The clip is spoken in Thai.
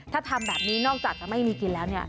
ถ้าทำแบบนี้นอกจากจะไม่มีกินแล้ว